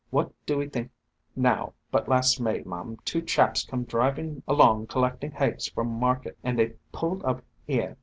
What do 'e think now, but last May, mum, two chaps come drivin' along collectin' heggs for market, and they pulled up 'ere.